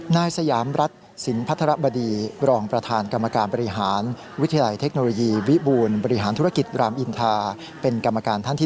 นายสยามรัฐสินพัทรบดีรองประธานกรรมการบริหารวิทยาลัยเทคโนโลยีวิบูรณ์บริหารธุรกิจรามอินทาเป็นกรรมการท่านที่๑